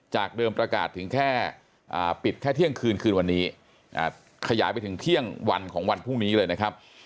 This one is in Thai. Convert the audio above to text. จากเดิมประกาศถึงแค่ปิดแค่เที่ยงคืนคืนวันนี้ขยายไปถึงเที่ยงวันของวันพรุ่งนี้เลยนะครับ